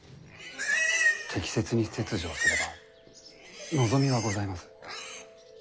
適切に切除をすれば望みはございます。